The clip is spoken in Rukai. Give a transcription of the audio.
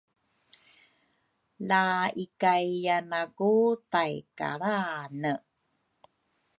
la ikayyana ku taykalrane